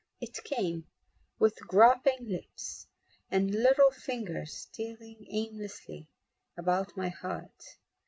It came with groping lips And little fingers stealing aimlessly About my heart.